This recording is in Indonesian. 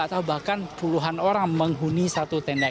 atau bahkan puluhan orang menghuni satu tenda